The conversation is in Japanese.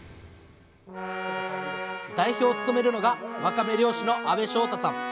代表を務めるのがわかめ漁師の阿部勝太さん。